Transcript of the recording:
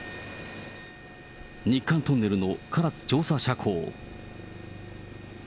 日韓トンネルの唐津調査斜坑。